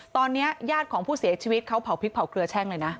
ตอนนี้ญาติของผู้เสียชีวิตเขาเผาพริกเผาเครือแช่งเลยนะ